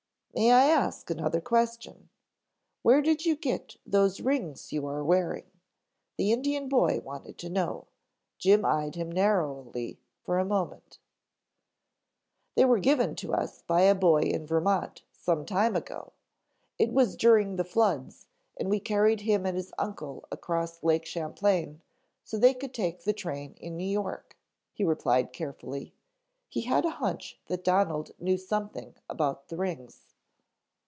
"May I ask another question. Where did you get those rings you are wearing?" the Indian boy wanted to know. Jim eyed him narrowly for a moment. "They were given to us by a boy in Vermont some time ago. It was during the floods and we carried him and his uncle across Lake Champlain so they could take the train in New York," he replied carefully. He had a hunch that Donald knew something about the rings.